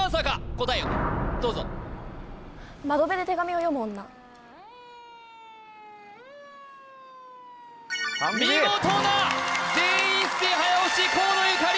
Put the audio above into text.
答えをどうぞ見事な全員一斉早押し河野ゆかり